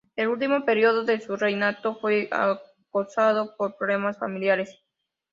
El último periodo de su reinado fue acosado por problemas familiares.